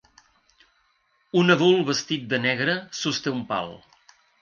Un adult vestit de negre sosté un pal.